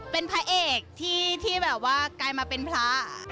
เป็นพระเอกที่แบบว่ากลายมาเป็นพระ